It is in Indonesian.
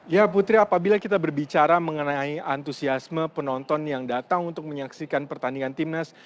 ya putri apabila kita berbicara mengenai antusiasme penonton yang datang untuk menyaksikan pertandingan timnas